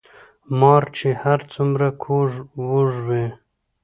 ـ مار چې هر څومره کوږ وږ وي